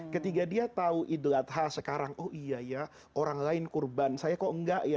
ketika dia tahu idul adha sekarang oh iya ya orang lain kurban saya kok enggak ya